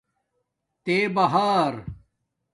تے بار